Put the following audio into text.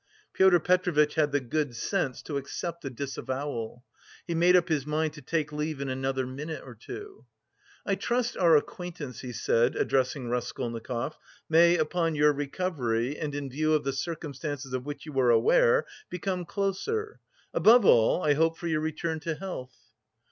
Pyotr Petrovitch had the good sense to accept the disavowal. He made up his mind to take leave in another minute or two. "I trust our acquaintance," he said, addressing Raskolnikov, "may, upon your recovery and in view of the circumstances of which you are aware, become closer... Above all, I hope for your return to health..."